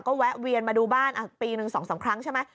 เขาแวะเวียนมาดูบ้านอ่ะปีหนึ่งสองสามครั้งใช่ไหม